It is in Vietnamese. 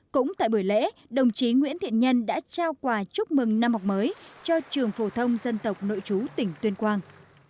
cũng tại buổi lễ đồng chí nguyễn thiện nhân đã trao quà chúc mừng năm học mới cho trường phổ thông dân tộc nội chú tỉnh tuyên quang